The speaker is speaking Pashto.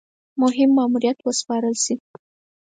مهم ماموریت وسپارل شي.